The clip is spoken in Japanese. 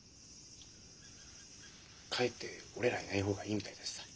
かえって俺らいない方がいいみたいだしさ。